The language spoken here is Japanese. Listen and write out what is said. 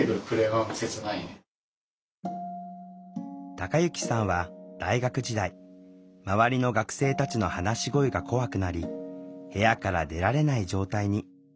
たかゆきさんは大学時代周りの学生たちの話し声が怖くなり部屋から出られない状態に。